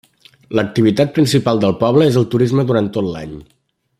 L'activitat principal del poble és el turisme durant tot l'any.